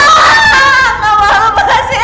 saya juga gak peduli